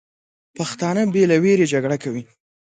پښتانه بې له ویرې جګړه کوي.